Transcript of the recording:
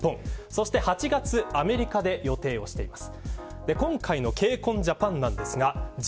そして８月アメリカで予定をしています。